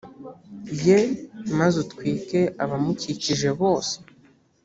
ye maze utwike abamukikije bose